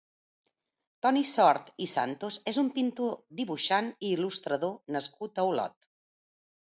Toni Tort i Santos és un pintor, dibuixant i il·lustrador nascut a Olot.